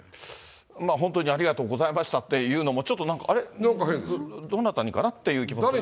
本当にありがとうございましたっていうのも、ちょっとなんか、あれ、どなたにかな、なんか変です。